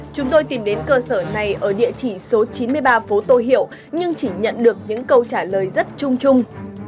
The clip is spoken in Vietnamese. chúng tôi tìm đến cơ sở này ở địa chỉ số chín mươi ba phố tô hiệu nhưng chỉ nhận được những câu trả lời rất chung chung